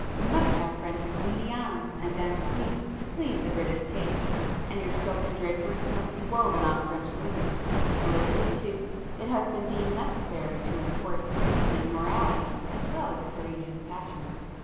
You must have French 'comediennes' and 'danseuses' to please the British taste, and your silken draperies must be woven on French looms. Lately too, it has been deemed necessary to import Parisian morality as well as Parisian fashions.